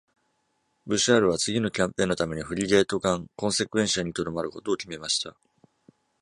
ブシャールは次のキャンペーンのためにフリゲート艦「コンセクエンシア」にとどまることを決めました。